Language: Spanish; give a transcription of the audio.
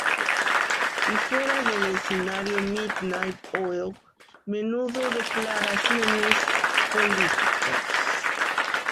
Y fuera del escenario, Midnight Oil menudo declaraciones políticas.